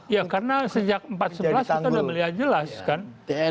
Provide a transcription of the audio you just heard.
ya karena sejak empat sebelas kita sudah melihat jelas kan